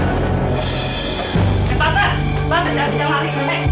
tante jangan jalan jalan